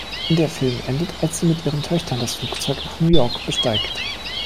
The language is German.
Der Film endet, als sie mit ihren Töchtern das Flugzeug nach New York besteigt.